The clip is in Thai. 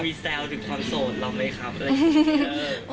มีแซวถึงความโสดเราไหมครับด้วย